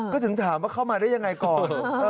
ก็ถึงถามว่าเข้ามาได้ยังไงก่อน